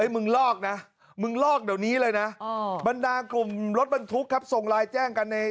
มึงลอกเดี๋ยวนี้เลยนะ